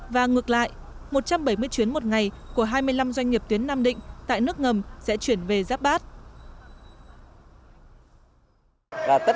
và ngược lại một trăm bảy mươi chuyến một ngày của hai mươi năm doanh nghiệp tuyến nam định tại nước ngầm sẽ chuyển về giáp bát